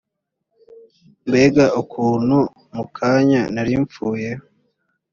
mbega ukuntu mu kanya nari mpfuye